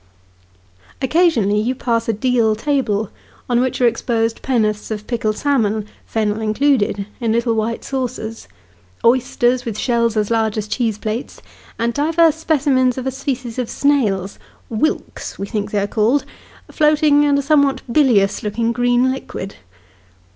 Occasionally you pass a deal table, on which are exposed pen'orths of pickled salmon (fennel included), in little white saucers: oysters, with shells as large as cheese plates, and divers specimens of a species of snail (wilks, we think they are called), floating in a somewhat bilious looking green liquid.